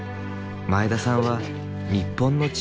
前田さんは日本の知恵を。